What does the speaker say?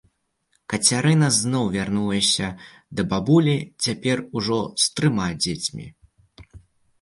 Кацярына зноў вярнулася да бабулі, цяпер ужо з трыма дзецьмі.